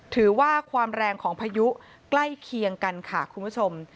ถือว่าความแรงของพายุใกล้เคียงกันค่ะคุณผู้ชม